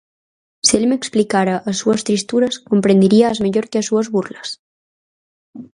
Se el me explicara as súas tristuras, comprenderíaas mellor que as súas burlas?